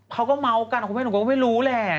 เขาก็เมาส์กันผมก็ไม่รู้แหละ